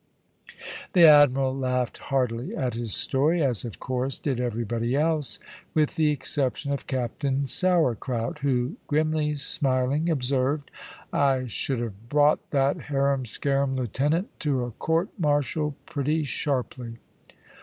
The Admiral laughed heartily at his story, as, of course, did everybody else, with the exception of Captain Sourcrout, who, grimly smiling, observed "I should have brought that harum scarum lieutenant to a court martial pretty sharply."